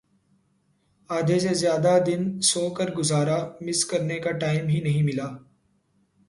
آدھے سے زیادہ دن سو کر گزارا مس کرنے کا ٹائم ہی نہیں ملا